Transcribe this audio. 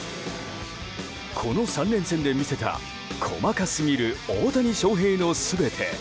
この３連戦で見せた細かすぎる大谷翔平の全て。